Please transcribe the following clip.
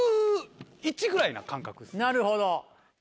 なるほど。